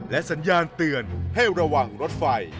และสัญญาณเตือนให้ระวังรถไฟ